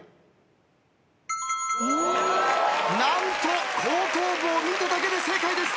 何と後頭部を見ただけで正解です。